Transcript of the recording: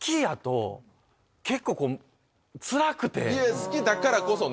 好きだからこそね。